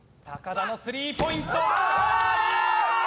田のスリーポイントああー！